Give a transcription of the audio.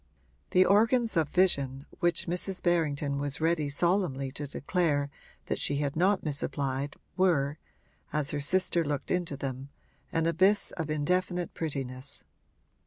The organs of vision which Mrs. Berrington was ready solemnly to declare that she had not misapplied were, as her sister looked into them, an abyss of indefinite prettiness.